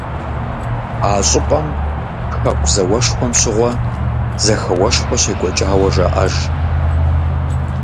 А щӏыпӏэм Хэку зауэшхуэм щыгъуэ зэхэуэшхуэ щекӏуэкӏауэ жаӏэж.